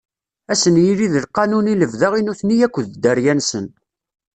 Ad sen-yili d lqanun i lebda i nutni akked dderya-nsen.